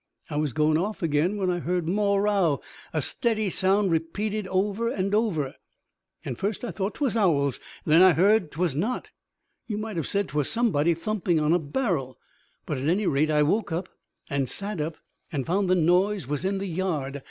I was going off again when I heard more row a steady sound repeated over and over. And first I thought 'twas owls; and then I heard 'twas not. You might have said 'twas somebody thumping on a barrel; but, at any rate, I woke up, and sat up, and found the noise was in the yard.